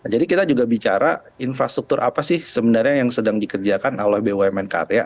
jadi kita juga bicara infrastruktur apa sih sebenarnya yang sedang dikerjakan oleh bumn karya